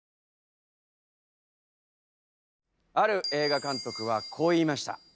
ある映画監督はこう言いました。